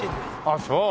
あっそう。